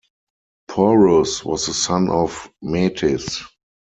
Porus was the son of Metis.